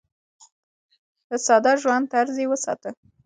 د ساده ژوند طرز يې وساته.